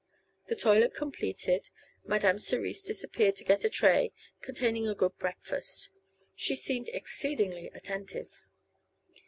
The toilet completed, Madame Cerise disappeared to get a tray containing a good breakfast. She seemed exceedingly attentive.